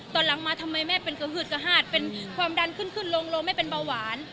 ตอนหลังมาทำไมแม่เป็นกระหืดกระหาดเป็นความดันขึ้นขึ้นลงลงแม่เป็นเบาหวาน